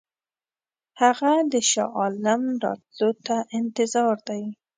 هغه د شاه عالم راتلو ته انتظار دی.